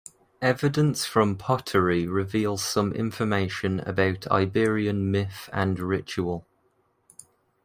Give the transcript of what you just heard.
Evidence from pottery reveals some information about Iberian myth and ritual.